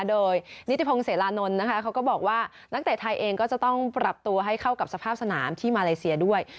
โดยนิติพงศิลานนท์นะคะเขาก็บอกว่านักเตะไทยเองก็จะต้องปรับตัวให้เข้ากับสภาพสนามที่มาเลเซียด้วย